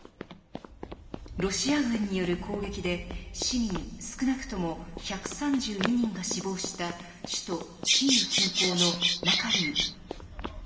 ロシア軍による攻撃で市民、少なくとも１３２人が死亡した首都キーウ近郊のマカリウ。